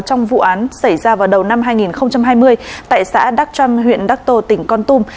trong vụ án xảy ra vào đầu năm hai nghìn hai mươi tại xã đắc trâm huyện đắc tô tỉnh con tum